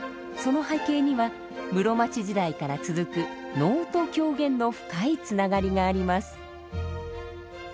その背景には室町時代から続く能と狂言の深いつながりがあります。